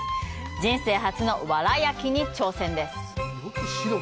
人生初の藁焼きに挑戦です。